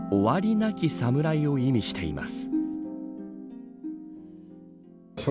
なき侍を意味しています。